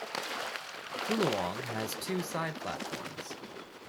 Koolewong has two side platforms.